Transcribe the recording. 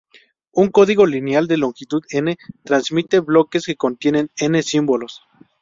Un código lineal de longitud "n" transmite bloques que contienen "n" símbolos.